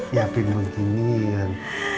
ya pimpin begini kan